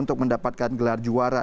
untuk mendapatkan gelar juara